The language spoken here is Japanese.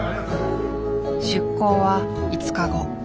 出航は５日後。